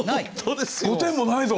５点もないぞ！